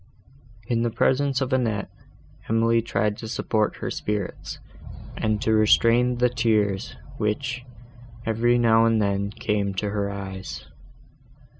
In the presence of Annette, Emily tried to support her spirits, and to restrain the tears, which, every now and then, came to her eyes.